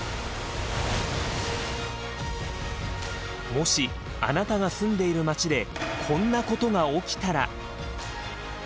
もしあなたが住んでいる町でこんなことが起きたら？